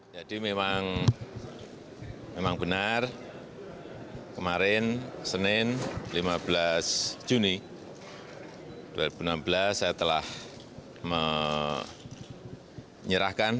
memang benar kemarin senin lima belas juni dua ribu enam belas saya telah menyerahkan